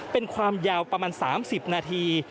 เป็นความยาวประมาณ๓๐นาที